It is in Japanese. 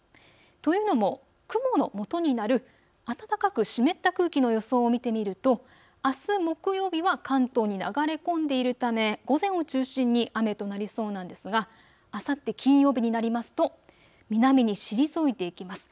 というのも雲のもとになる暖かく湿った空気の予想を見てみると、あす木曜日は関東に流れ込んでいるため午前を中心に雨となりそうなんですが、あさって金曜日になりますと南に退いていきます。